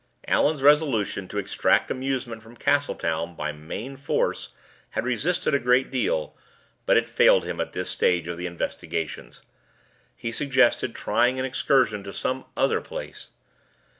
Allan's resolution to extract amusement from Castletown by main force had resisted a great deal, but it failed him at this stage of the investigations. He suggested trying an excursion to some other place.